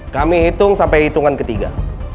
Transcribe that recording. kami hitung sampai hitungan ketiga